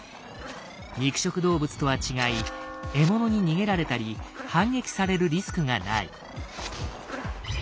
肉食動物とは違い獲物に逃げられたり反撃されるリスクがない。